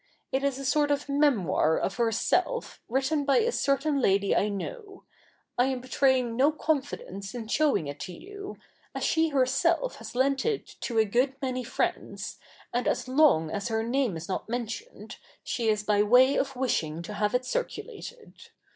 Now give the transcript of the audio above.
It is a sort of memoir of herself, written by a certain lady I know. I am betray ing no confidence in showing it to you ; as she herself has lent it to a good many friends, and as long as her name is not mentioned, she is by way of wishing to have it circulated.